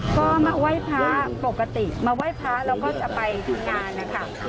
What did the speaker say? ก็มาไหว้พระปกติมาไหว้พระแล้วก็จะไปถึงงานนะคะ